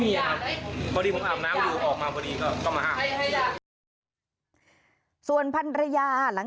ก็ไม่มีครับพอดีผมอาบน้ำดูออกมาพอดีก็มาห้าม